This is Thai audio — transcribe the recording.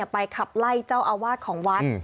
ไปขับไล่เจ้าอาวาสของวัด